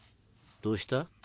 どうした？